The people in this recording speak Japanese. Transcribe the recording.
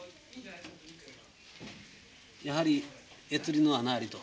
やはりえつりの穴ありと。